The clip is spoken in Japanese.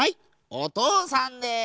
おとうさんです！